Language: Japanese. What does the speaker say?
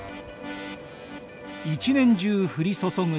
一年中降り注ぐ